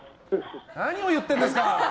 何を言ってるんですか。